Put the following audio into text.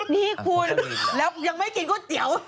นี่คุณแล้วยังไม่กินก๋วยเตี๋ยว